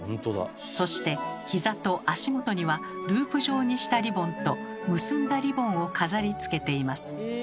そしてひざと足元にはループ状にしたリボンと結んだリボンを飾りつけています。